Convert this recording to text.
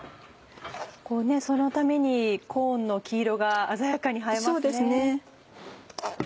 そのためにコーンの黄色が鮮やかに映えますね。